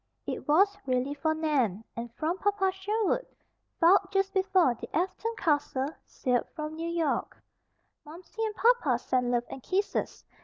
It was really for Nan, and from Papa Sherwood filed just before the Afton Castle sailed from New York: "Momsey and papa send love and kisses.